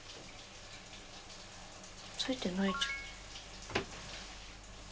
ついてないじゃん。